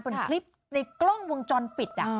เป็นคลิปในกล้องวงจรปิด